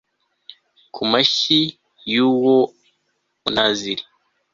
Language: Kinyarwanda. ku mashyi y uwo munaziri